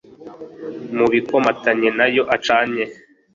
mu bikomatanye nayo acanye